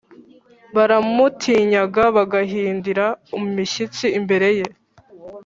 Baramutinyaga bagahindira imishyitsi imbere ye